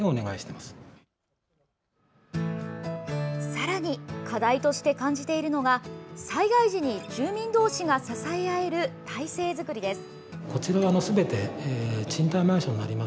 さらに課題として感じているのが災害時に住民同士が支え合える体制作りです。